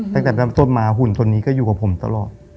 ตั้งแต่ตอนนั้นจนหุ่นตรงนี้ก็อยู่กับผมตลอด